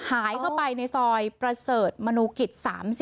หายเข้าไปในซอยประเสริฐมนูกิจ๓๐